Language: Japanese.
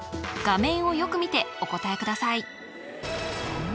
画面をよく見てお答えください